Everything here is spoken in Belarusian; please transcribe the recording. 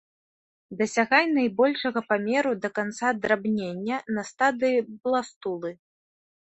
Дасягае найбольшага памеру да канца драбнення, на стадыі бластулы.